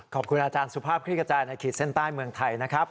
ขอบคุณอาจารย์สุภาพคลิกกระจายในขีดเส้นใต้เมืองไทยนะครับ